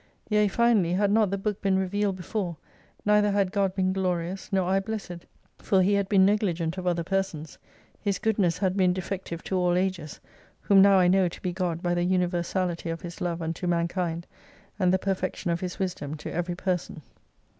Yea finally, had not the Book been revealed before, neither had God been glorious, nor I blessed, for He had been negligent of other persons. His goodness had been defective to all ages, whom now I know to be God by the universality of His love unto Mankind, and the perfection of His wisdom to every person.